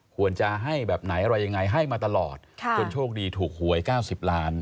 ควรจะให้แบบไหนอะไรยังไงให้มาตลอดจนโชคดีถูกหวย๙๐ล้าน